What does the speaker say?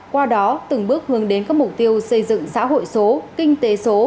qua đó từng bước hướng đến các mục tiêu xây dựng xã hội số kinh tế số